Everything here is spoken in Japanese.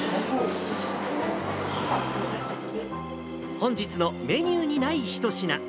本日のメニューにない一品。